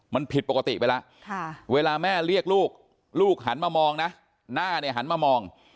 มันผิดปกติไปแล้วเวลาแม่เรียกลูกลูกหันมามองนะหน้าเนี่ยหันมามอง